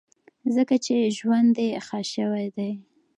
ځکه چې ژوند یې ښه شوی دی.